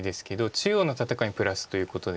中央の戦いにプラスということで。